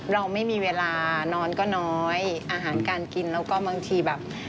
เราไม่มีเวลานอนก็น้อยอาหารการกินแล้วก็บางทีแบบ